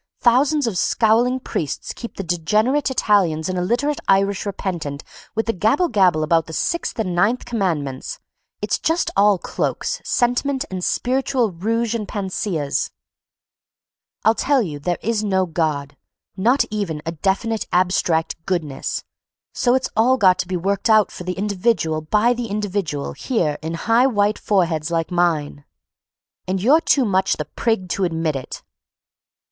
Thousands of scowling priests keeping the degenerate Italians and illiterate Irish repentant with gabble gabble about the sixth and ninth commandments. It's just all cloaks, sentiment and spiritual rouge and panaceas. I'll tell you there is no God, not even a definite abstract goodness; so it's all got to be worked out for the individual by the individual here in high white foreheads like mine, and you're too much the prig to admit it."